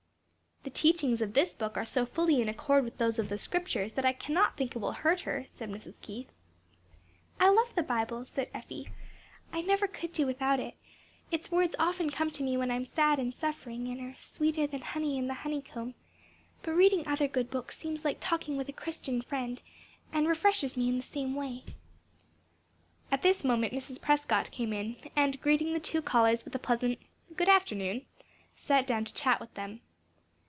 "The teachings of this book are so fully in accord with those of the Scriptures, that I can not think it will hurt her," said Mrs. Keith. "I love the Bible," said Effie, "I never could do without it; its words often come to me when I am sad and suffering and are 'sweeter than honey and the honeycomb,' but reading other good books seems like talking with a Christian friend, and refreshes me in the same way." At this moment Mrs. Prescott came in and greeting the two callers with a pleasant "Good afternoon," sat down to chat with them.